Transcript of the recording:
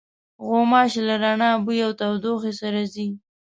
غوماشې له رڼا، بوی او تودوخې سره ځي.